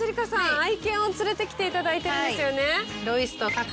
愛犬を連れてきていただいてるんですよね？